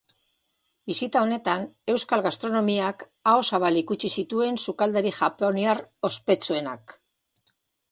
Bisita honetan, euskal gastronomiak aho zabalik utzi zituen sukaldari japoniar ospetsuenak.